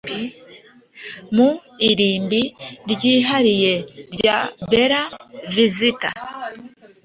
mu irimbi ryihariye rya Bella Vista